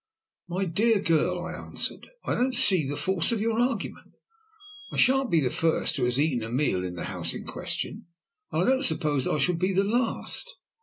"My dear girl," I answered, "I don't see the force of your argument. I shan't be the first who has eaten a meal in the house in question, and I don't suppose I shall be the last.